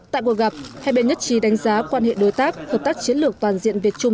tại cuộc gặp hai bên nhất trí đánh giá quan hệ đối tác hợp tác chiến lược toàn diện việt trung